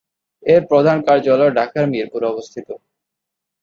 এর প্রধান কার্যালয় ঢাকার মিরপুরে অবস্থিত।